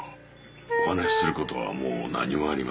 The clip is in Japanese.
お話しすることはもう何もありません。